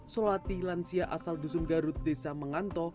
solatih lansia asal dusun garut desa menganto